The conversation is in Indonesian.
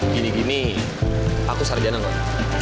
gini gini aku sarjana kok